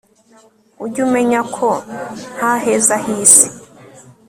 ujye umenya ko nta heza hisi